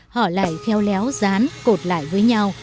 họ lại kheo léo dán cột lại với nhau